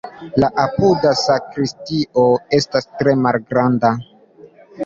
La apuda sakristio estas tre malgranda.